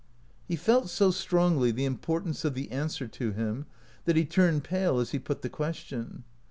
He felt so strongly the importance of the answer to him, that he turned pale as he put the question.